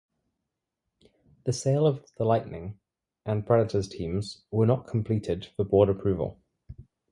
The sale of the Lightning and Predators teams were not completed for board approval.